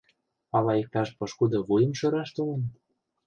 Ала иктаж пошкудо вуйым шӧраш толын?